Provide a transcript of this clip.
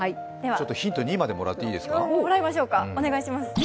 ヒント２までもらっていいですか。